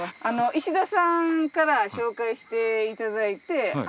石田さんから紹介していただいて。